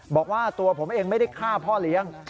บอกว่าตัวผมเองไม่ได้ฆ่าพ่อเลี้ยง